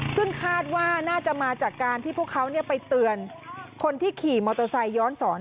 ซึ่งคาดว่าน่าจะมาจากการที่พวกเขาไปเตือนคนที่ขี่มอเตอร์ไซค์ย้อนสอน